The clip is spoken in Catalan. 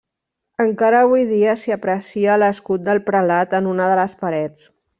Encara avui dia s'hi aprecia l'escut del prelat en una de les parets.